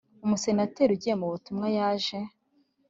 Umusenateri ugiye mu butumwa yaje